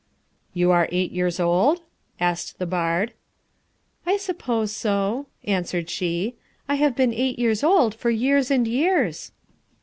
"You are eight years old?" asked the bard. "I suppose so," answered she. "I have been eight years old for years and years."